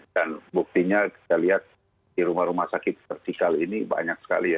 dan buktinya kita lihat di rumah rumah sakit vertikal ini banyak sekali ya